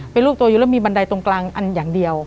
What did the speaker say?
เป็นรูปตัวอยู่แล้วมีบันไดตรงกลางอันอย่างเดียว